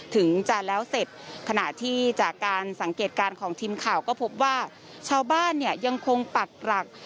ถึงจะแล้วเสร็จขณะที่จากการสังเกตการณ์ของทีมข่าวก็พบว่าชาวบ้านเนี่ยยังคงปักหลัก